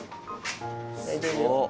大丈夫よ。